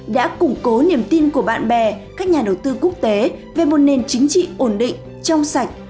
đã củng cố niềm tin của bạn bè các nhà đầu tư quốc tế về một nền chính trị ổn định trong sạch